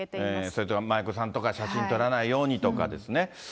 それとか舞妓さんとかと写真撮らないようにとかですね。